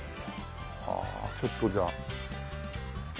ちょっとじゃあ。